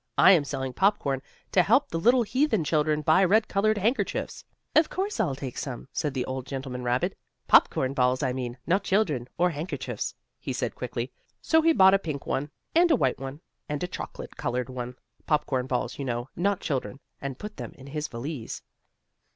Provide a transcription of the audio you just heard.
I am selling popcorn, to help the little heathen children buy red colored handkerchiefs." "Of course, I'll take some," said the old gentleman rabbit, "popcorn balls, I mean not children, or hankerchiefs," he said quickly. So he bought a pink one, and a white one, and a chocolate colored one, popcorn balls you know not children and put them in his valise.